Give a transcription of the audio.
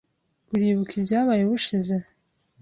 Uribuka ibyabaye ubushize?